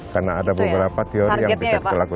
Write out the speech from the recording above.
karena ada beberapa teori yang bisa berlaku